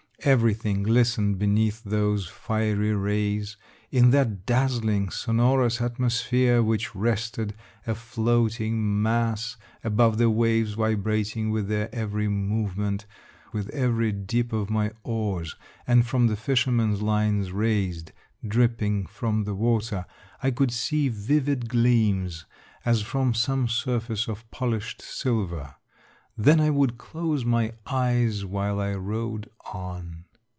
Everything glistened beneath those fiery rays. In that dazzling, sonorous atmosphere, which rested, a floating mass, above the waves vibrating with their every movement, with every dip of my oars, and from the fisherman's lines raised, dripping, from the water, I could see vivid gleams, as from some surface of polished silver. Then I would The Pope is Dead, 273 close my eyes while I rowed on.